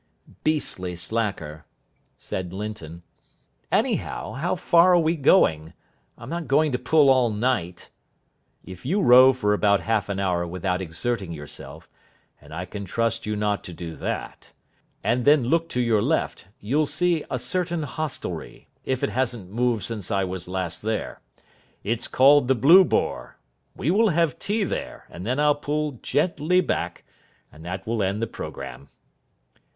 "Beastly slacker," said Linton. "Anyhow, how far are we going? I'm not going to pull all night." "If you row for about half an hour without exerting yourself and I can trust you not to do that and then look to your left, you'll see a certain hostelry, if it hasn't moved since I was last there. It's called the 'Blue Boar'. We will have tea there, and then I'll pull gently back, and that will end the programme."